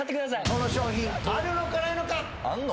この商品あるのかないのかあんの？